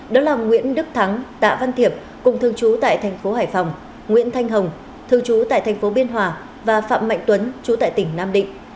đó là nguyễn đức thắng tạ văn thiệp cùng thương chú tại thành phố hải phòng nguyễn thanh hồng thương chú tại thành phố biên hòa và phạm mạnh tuấn chú tại tỉnh nam định